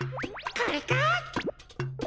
これか！